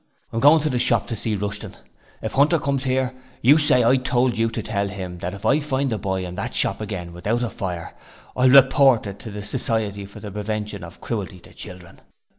'I am going to the office to see Rushton; if Hunter comes here, you say I told you to tell him that if I find the boy in that shop again without a fire, I'll report it to the Society for the Prevention of Cruelty to Children.